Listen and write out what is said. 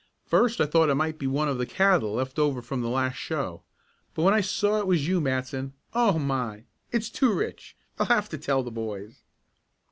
First I thought it might be one of the cattle left over from the last show, but when I saw it was you, Matson Oh, my! It's too rich! I'll have to tell the boys."